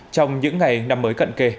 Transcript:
trong những ngày năm mới cận kề